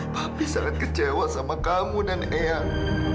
tapi sangat kecewa sama kamu dan eyang